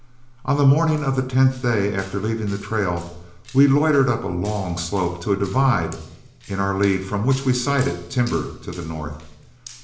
On the morning of the tenth day after leaving the trail, we loitered up a long slope to a divide in our lead from which we sighted timber to the north.